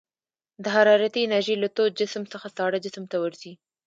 د حرارتي انرژي له تود جسم څخه ساړه جسم ته ورځي.